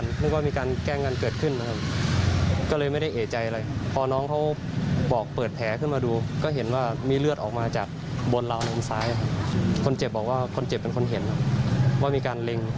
จากบ้านหลังตรงข้ามค่ะฝั่งตรงข้ามค่ะ